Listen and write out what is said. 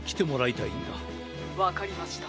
☎わかりました。